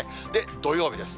土曜日です。